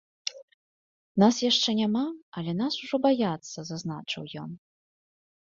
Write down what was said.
Нас яшчэ няма, але нас ужо баяцца, зазначыў ён.